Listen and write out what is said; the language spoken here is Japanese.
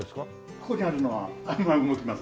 ここにあるのは動きますね。